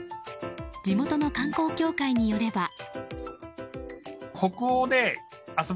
地元の観光協会によれば。